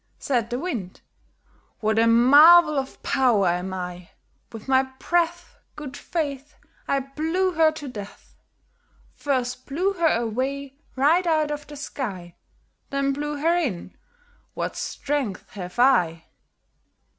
Said the Wind "What a marvel of power am I! With my breath, Good faith! I blew her to death First blew her away right out of the sky Then blew her in; what strength have I!"